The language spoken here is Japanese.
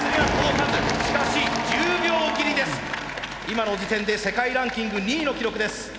今の時点で世界ランキング２位の記録です。